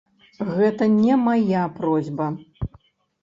Гэта не мая просьба.